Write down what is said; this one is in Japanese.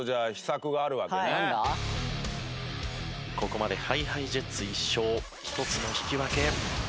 ここまでＨｉＨｉＪｅｔｓ１勝１つの引き分け。